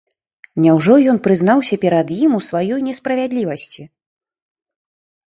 Няўжо ён прызнаўся перад ім у сваёй несправядлівасці?